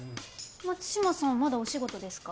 松島さんまだお仕事ですか？